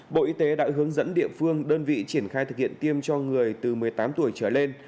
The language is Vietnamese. bộ y tế đã hướng dẫn địa phương đơn vị triển khai thực hiện tiêm cho người từ một mươi tám tuổi trở lên